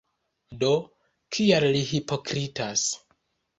Do, kial li hipokritas?